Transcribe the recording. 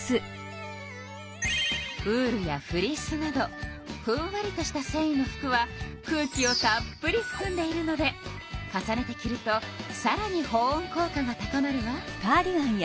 ウールやフリースなどふんわりとしたせんいの服は空気をたっぷりふくんでいるので重ねて着るとさらにほ温効果が高まるわ。